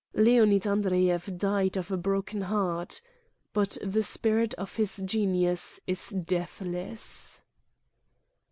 ..." Leonid Andreyev died of a broken heart. But the spirit of his genius is deathless.